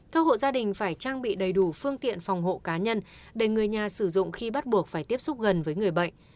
các hộ gia đình phải trang bị đầy đủ phương tiện phòng hộ cá nhân để người nhà sử dụng khi bắt buộc phải tiếp xúc gần với người bệnh